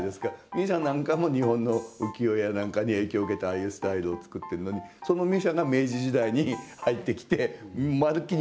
ミュシャなんかも日本の浮世絵や何かに影響を受けてああいうスタイルを作っているのにそのミュシャが明治時代に入ってきてまるっきり